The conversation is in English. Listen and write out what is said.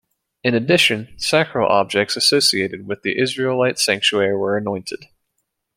In addition, sacral objects associated with the Israelite sanctuary were anointed.